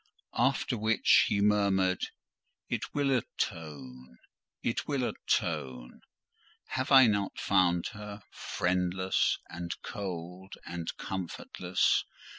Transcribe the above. After which he murmured, "It will atone—it will atone. Have I not found her friendless, and cold, and comfortless?